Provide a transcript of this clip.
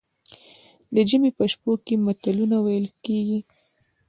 د ژمي په شپو کې متلونه ویل کیږي.